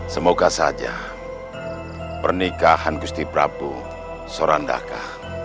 semoga saja pernikahan gusti prabu sorandaka